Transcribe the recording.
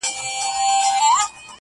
زه او ته یو په قانون له یوه کوره٫